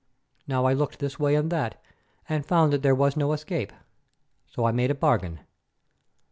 Now I looked this way and that, and found that there was no escape. So I made a bargain.